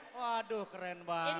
waduh keren banget